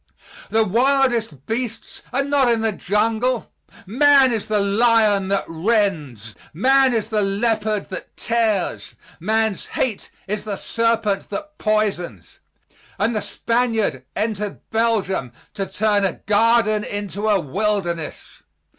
The wildest beasts are not in the jungle; man is the lion that rends, man is the leopard that tears, man's hate is the serpent that poisons, and the Spaniard entered Belgium to turn a garden into a wilderness.